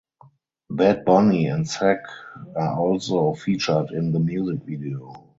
Bad Bunny and Sech are also featured in the music video.